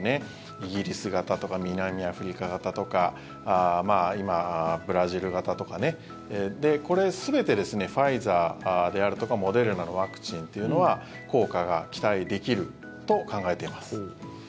イギリス型とか南アフリカ型とか今、ブラジル型とかこれ、全てファイザーであるとかモデルナのワクチンっていうのは効果が期待できると考えています。